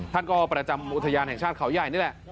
ท่านก็ประจำอุทยานแห่งชาติเขาใหญ่นี่แหละ